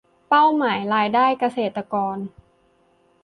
เป้าหมายรายได้เกษตรกร